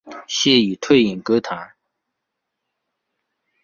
现已退隐歌坛。